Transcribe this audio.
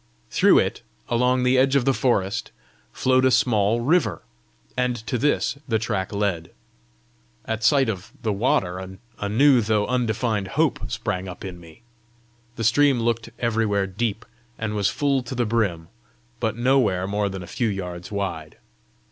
Through it, along the edge of the forest, flowed a small river, and to this the track led. At sight of the water a new though undefined hope sprang up in me. The stream looked everywhere deep, and was full to the brim, but nowhere more than a few yards wide.